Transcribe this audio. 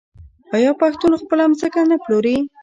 آیا پښتون خپله ځمکه نه پلوري؟